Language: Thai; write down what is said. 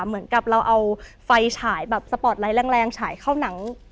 เหมือนกับเราเอาไฟฉายแบบสปอร์ตไลท์แรงฉายเข้าหนัง